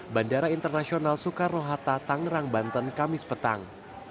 bandara internasional soekarno hatta tangerang banten kamis petang